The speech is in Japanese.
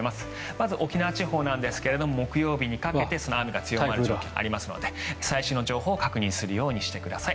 まず沖縄地方なんですが木曜日にかけて雨が強まる時がありますので最新の情報を確認するようにしてください。